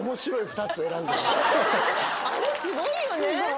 あれすごいよね！